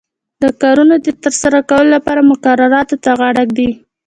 د کارونو د ترسره کولو لپاره مقرراتو ته غاړه ږدي.